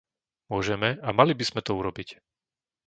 Môžeme a mali by sme to urobiť.